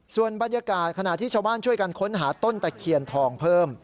ส่วนบรรยากาศขณะที่ชาวบ้านช่วยกันค้นหาต้นตะเคียนทองเพิ่ม